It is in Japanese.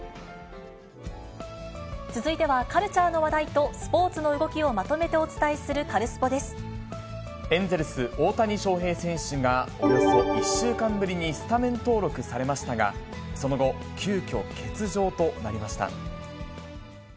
続いては、カルチャーの話題とスポーツの動きをまとめてお伝えするカルスポエンゼルス、大谷翔平選手が、およそ１週間ぶりにスタメン登録されましたが、その後、急きょ欠場となりました。